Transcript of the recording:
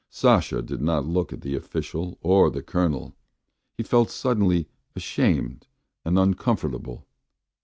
Sasha did not look at the official or the Colonel; he felt suddenly ashamed and uncomfortable.